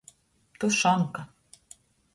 Tušonka.